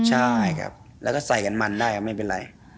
ใช่ครับแล้วก็ใส่กันมันได้ไม่เป็นไร